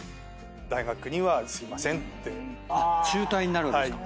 中退になるんですか。